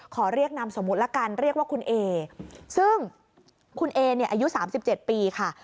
ขอเรียกนามสมมุติละกันเรียกว่าคุณเอซึ่งคุณเอเนี่ยอายุ๓๗ปีค่ะ